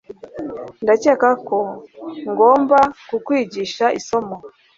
Ndakeka ko ngomba kukwigisha isomo